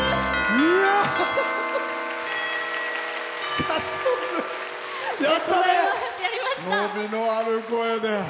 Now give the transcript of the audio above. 伸びのある声で。